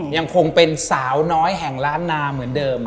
ยังคงเป็นสาวน้อยแห่งล้านนาเหมือนเดิม